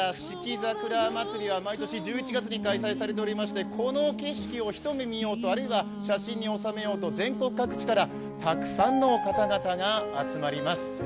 桜まつりは毎年１１月に開催されておりましてこの景色をひと目見ようと、あるいは写真に収めようと全国各地から、たくさんの方々が集まります。